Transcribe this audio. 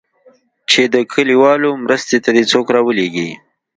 چې د کليوالو مرستې ته دې څوک راولېږي.